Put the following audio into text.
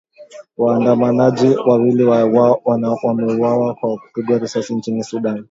Waandamanaji wawili wameuawa kwa kupigwa risasi nchini Sudan